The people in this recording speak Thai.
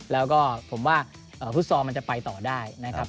แล้วก็ผมว่าฟุตซอลมันจะไปต่อได้นะครับ